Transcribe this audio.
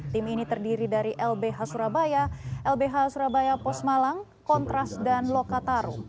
tim ini terdiri dari lbh surabaya lbh surabaya posmalang kontras dan lokataru